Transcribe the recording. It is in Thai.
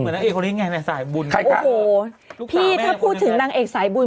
ในสายบุญพี่ถ้าพูดถึงนางเอกสายบุญ